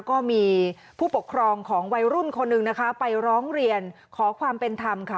ก็มีผู้ปกครองของวัยรุ่นคนหนึ่งนะคะไปร้องเรียนขอความเป็นธรรมค่ะ